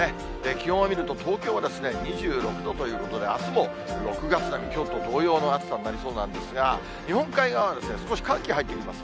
気温を見ると東京は２６度ということで、あすも６月並み、きょうと同様の暑さになりそうなんですが、日本海側はですね、少し寒気入ってきます。